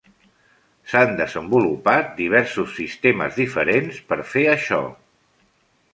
S'han desenvolupat diversos sistemes diferents per fer això.